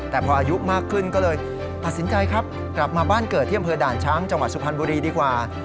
แต่พออายุมากขึ้นก็เลยตัดสินใจครับกลับมาบ้านเกิดที่อำเภอด่านช้างจังหวัดสุพรรณบุรีดีกว่า